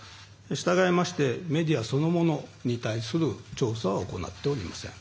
従いましてメディアそのものに対する調査は行っておりません。